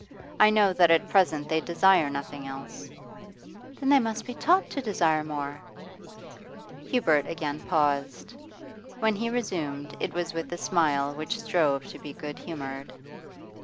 I know that at present they desire nothing else.' 'Then they must be taught to desire more.' Hubert again paused. When he resumed it was with a smile which strove to be good humoured.